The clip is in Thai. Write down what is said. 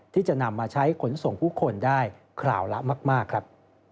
ที่จะนำมาใช้ขนส่งผู้คนได้คราวละมากครับ